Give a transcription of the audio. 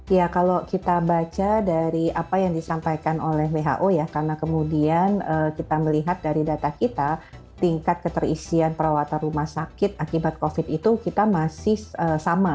ya kalau kita baca dari apa yang disampaikan oleh who ya karena kemudian kita melihat dari data kita tingkat keterisian perawatan rumah sakit akibat covid itu kita masih sama